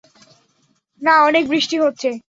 না, অনেক বৃষ্টি হচ্ছে।